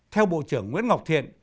theo bộ trưởng nguyễn ngọc thiện